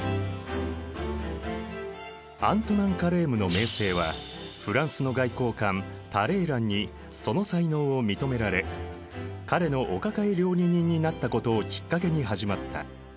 アントナン・カレームの名声はフランスの外交官タレーランにその才能を認められ彼のお抱え料理人になったことをきっかけに始まった。